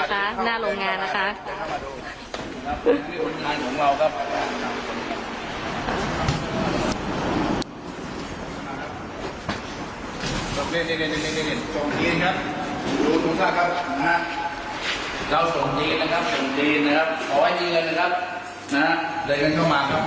ตรงนี้นะครับตรงนี้นะครับขอว่าเงินนะครับได้เงินเข้ามาครับ